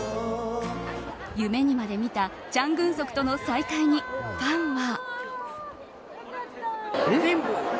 夢にまで見たチャン・グンソクとの再会にファンは。